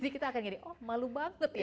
jadi kita akan gini oh malu banget ya